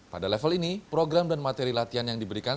pada level ini program dan materi latihan yang diberikan